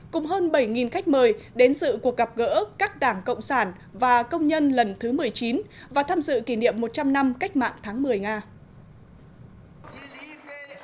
cùng hơn bảy khách mời đến sự cuộc gặp gỡ các đảng cộng sản và công nhân lần thứ một mươi chín và tham dự kỷ niệm một trăm linh năm cách mạng tháng một mươi nga